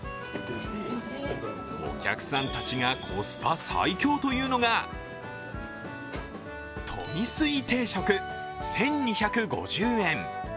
お客さんたちがコスパ最強というのが、富水定食１２５０円。